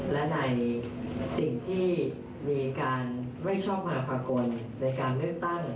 และในสิ่งที่มีการไม่ชอบมาภากลในการเลือกตั้ง